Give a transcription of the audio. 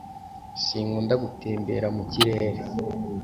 Sinkunda gutembera mu kirere.